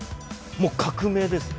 もう革命ですね。